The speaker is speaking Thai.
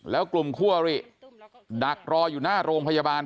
แล้วกลุ่มคั่วหรี่ดักรออยู่หน้าโรงพยาบาล